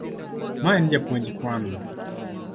Ma en japuonj Kwano.